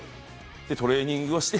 で、トレーニングをして。